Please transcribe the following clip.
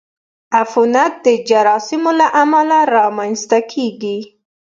عفونت د جراثیمو له امله رامنځته کېږي.